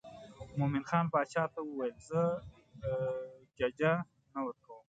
مومن خان باچا ته وویل زه ججه نه ورکوم.